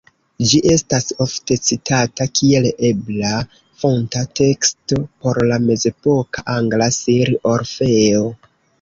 Ĝi estas ofte citata kiel ebla fonta teksto por la mezepoka angla Sir Orfeo.